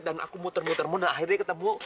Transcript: dan aku muter muter mau dan akhirnya ketemu